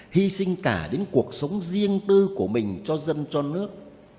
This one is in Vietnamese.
hy sinh cả đến cuộc sống riêng tư của mình cho dân cho nước